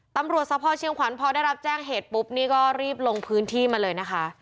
สะพอเชียงขวัญพอได้รับแจ้งเหตุปุ๊บนี่ก็รีบลงพื้นที่มาเลยนะคะ